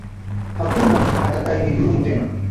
Hakuna atakaye nidhlumu tena.